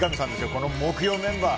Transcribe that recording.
この木曜メンバー。